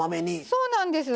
そうなんです。